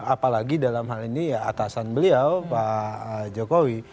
apalagi dalam hal ini ya atasan beliau pak jokowi